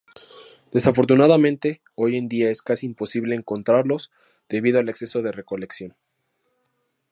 Desafortunadamente hoy en día es casi imposible encontrarlos debido al exceso de recolección.